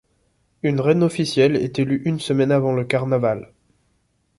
Une reine officielle est élue une semaine avant le carnaval.